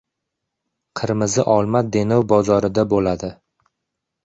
Qirmizi olma Denov bozorida bo‘ladi!